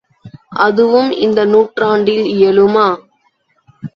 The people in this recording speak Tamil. அதுவும் இந்த நூற்றாண்டில் இயலுமா?